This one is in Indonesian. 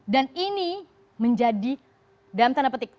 dan ini menjadi dalam tanda petik